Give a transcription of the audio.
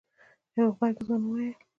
يو غبرګ ځوان وويل.